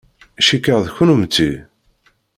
Cikkeɣ d kennemti.